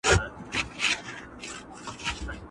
ګرفتاره په منګول د کورونا سو؛